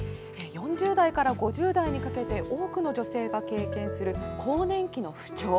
４０代から５０代にかけて多くの女性が経験する更年期の不調。